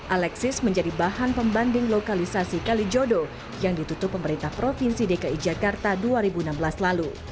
alexis menjadi bahan pembanding lokalisasi kalijodo yang ditutup pemerintah provinsi dki jakarta dua ribu enam belas lalu